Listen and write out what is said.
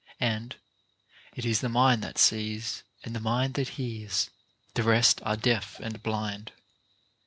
And " It is the mind that sees, and the mind that hears ; the rest are deaf and blind."